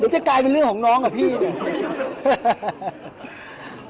จะกลายเป็นเรื่องของน้องกับพี่เนี่ย